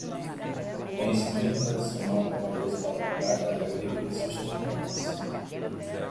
O conhecimento tradicional é valioso para práticas agrícolas sustentáveis.